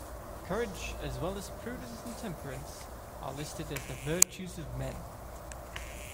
Courage as well as prudence and temperance are listed as the virtues of men.